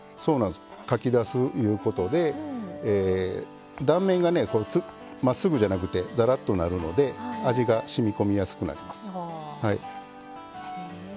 かき出すいうことで断面がねまっすぐじゃなくてざらっとなるので味がしみ込みやすくなります。